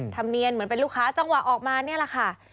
ธรรมเนียนเหมือนเป็นลูกค้าจังหวะออกมานี่แหละค่ะ